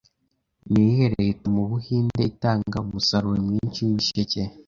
Niyihe leta mubuhinde itanga umusaruro mwinshi wibisheke